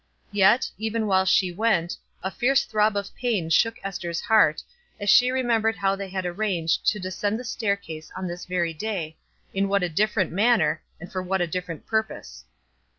Yet, even while she went, a fierce throb of pain shook Ester's heart, as she remembered how they had arranged to descend the staircase on this very day in what a different manner, and for what a different purpose.